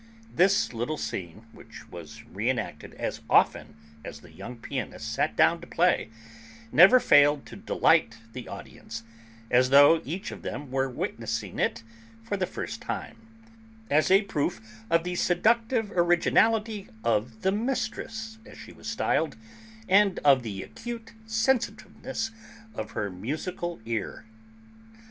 This little scene, which was re enacted as often as the young pianist sat down to play, never failed to delight the audience, as though each of them were witnessing it for the first time, as a proof of the seductive originality of the 'Mistress' as she was styled, and of the acute sensitiveness of her musical 'ear.'